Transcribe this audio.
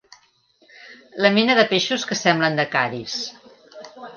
La mena de peixos que semblen de Cadis.